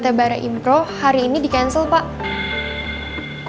meeting dengan klien pt barah impro hari ini di cancel pak